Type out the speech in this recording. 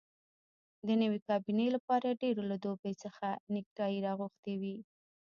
د نوې کابینې لپاره ډېرو له دوبۍ څخه نیکټایي راغوښتي وې.